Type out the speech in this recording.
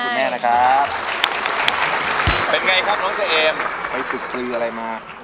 เป็นไงครับน้องเจ๋อิมไปประตูควิดอะไรมา